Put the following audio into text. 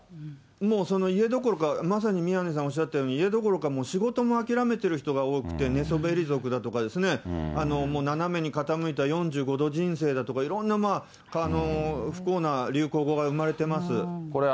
もう家どころか、まさに宮根さんおっしゃったように、家どころか仕事も諦めている人が多くて、寝そべり族だとか、もう斜めに傾いた４５度人生だとか、いろんな不幸な流行語が生まれています。